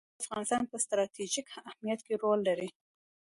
چار مغز د افغانستان په ستراتیژیک اهمیت کې رول لري.